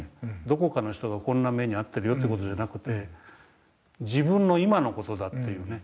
どこかの人がこんな目に遭ってるよって事じゃなくて自分の今の事だっていうね